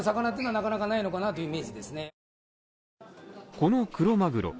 このクロマグロ。